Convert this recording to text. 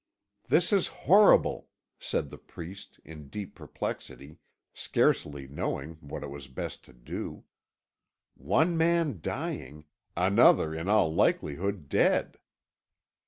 "This is horrible," said the priest, in deep perplexity, scarcely knowing what it was best to do; "one man dying, another in all likelihood dead."